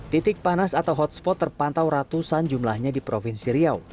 titik panas atau hotspot terpantau ratusan jumlahnya di provinsi riau